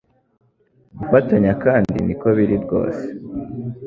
gufatanya kandi niko biri rwose